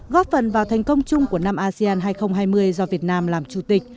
góp phần vào thành công chung của năm asean hai nghìn hai mươi do việt nam làm chủ tịch